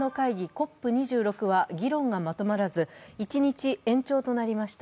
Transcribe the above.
ＣＯＰ２６は議論がまとまらず、一日延長となりました。